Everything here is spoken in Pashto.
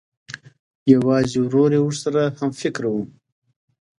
یوازې ورور یې ورسره همفکره و